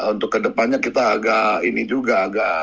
untuk kedepannya kita agak